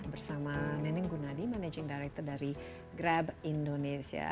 bersama neneng gunadi managing director dari grab indonesia